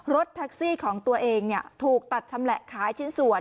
รถแท็กซี่ของตัวเองถูกตัดชำแหละขายชิ้นส่วน